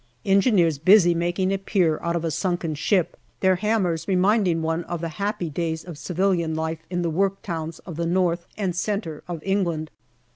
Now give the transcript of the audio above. Engineers busy making a pier out of a sunken ship, their hammers reminding one of the happy days of civilian life in the work towns of the North and Centre of England.